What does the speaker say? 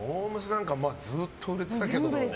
なんかずっと売れ続けてたけど。